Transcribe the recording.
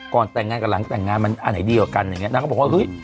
แต่งงานกับหลังแต่งงานมันอันไหนดีกว่ากันอย่างนี้นางก็บอกว่าเฮ้ย